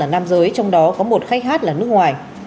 nam giới trong đó có một khách hát là nước ngoài